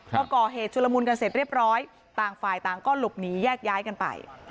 พอก่อเหตุชุลมุนกันเสร็จเรียบร้อยต่างฝ่ายต่างก็หลบหนีแยกย้ายกันไป